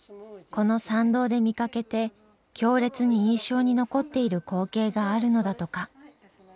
この参道で見かけて強烈に印象に残っている光景があるのだとか。